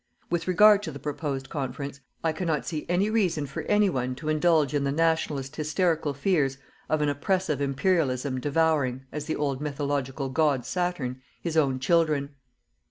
With regard to the proposed Conference, I cannot see any reason for anyone to indulge in the "Nationalist" hysterical fears of an oppressive Imperialism devouring, as the old mythological god Saturn his own children.